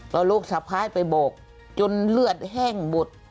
แล้วลูกสะพ้ายไปบอกจนเลือดแห้งบุด